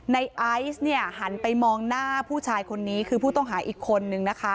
ในอายส์หันไปมองหน้าผู้ชายคนนี้คือผู้ต้องหาอีกคนหนึ่ง